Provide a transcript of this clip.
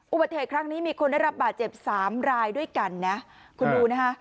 อุบัติเหตุครั้งนี้มีคนได้รับบาดเจ็บสามรายด้วยกันนะคุณดูนะฮะ